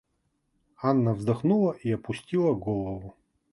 Анна вздохнула и опустила голову.